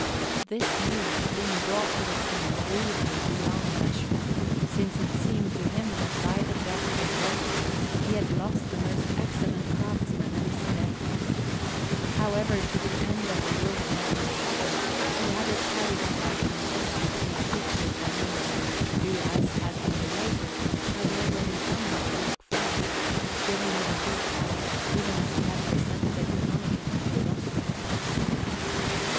This news, being brought to the King, grieved him beyond measure, since it seemed to him that by the death of Rosso he had lost the most excellent craftsman of his day. However, to the end that the work might not suffer, he had it carried on by Francesco Primaticcio of Bologna, who, as has been related, had already done much work for him; giving him a good Abbey, even as he had presented a Canonicate to Rosso.